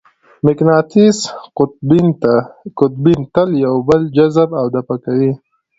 مقناطیسي قطبین تل یو بل جذب او دفع کوي.